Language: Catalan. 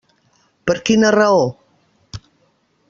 Per quina raó?